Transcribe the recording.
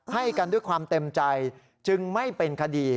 ให้กันด้วยความเต็มใจจึงไม่เป็นคดี